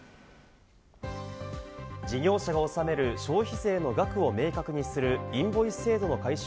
事業者が納める消費税の額を明確にするインボイス制度の解消